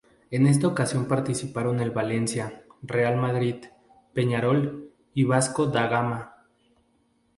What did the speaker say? En esta ocasión participaron el Valencia, Real Madrid, Peñarol y Vasco da Gama.